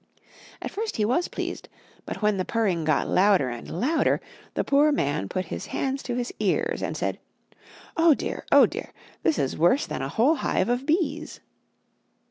At first he was pleased, but when the purring got louder and louder, the poor man put his hands to his ears and said, "Oh dear! oh dear! this is worse than a whole hive of bees."